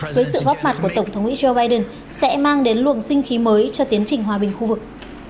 với sự góp mặt của tổng thống mỹ joe biden sẽ mang đến luồng sinh khí mới cho tiến trình hòa bình khu vực